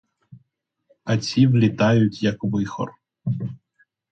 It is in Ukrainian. А ці влітають як вихор!